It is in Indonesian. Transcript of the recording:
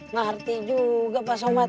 ngerti juga pak somat